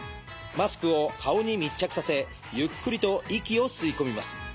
マスクを顔に密着させゆっくりと息を吸い込みます。